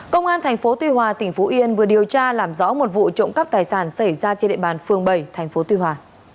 công an tp tuy hòa tỉnh phú yên vừa điều tra làm rõ một vụ trộm cắp tài sản xảy ra trên địa bàn phường bảy tp tuy hòa